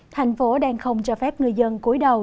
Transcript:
thành phố đang không cho phép người dân cuối đầu